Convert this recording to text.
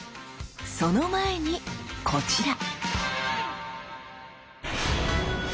その前にこちら！